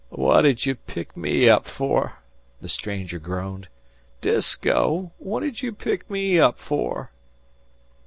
"What did you pick me up for?" the stranger groaned. "Disko, what did you pick me up for?"